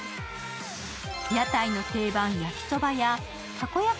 屋台の定番・焼きそばや、たこ焼き